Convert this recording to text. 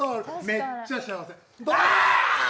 めっちゃ幸せ！